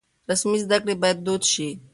رسمي زده کړې بايد دود شي.